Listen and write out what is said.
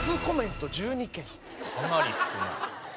かなり少ない。